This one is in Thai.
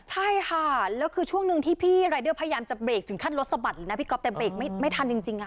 ใช่ค่ะแล้วคือช่วงหนึ่งที่พี่รายเดอร์พยายามจะเบรกถึงขั้นรถสะบัดเลยนะพี่ก๊อฟแต่เบรกไม่ทันจริง